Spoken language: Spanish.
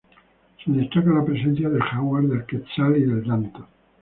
Se destaca la presencia del jaguar, del quetzal y del danto.